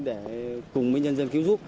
để cùng với nhân dân cứu giúp